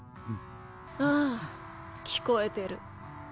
ああ聞こえてる。